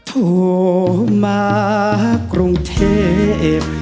โทรมากรุงเทพ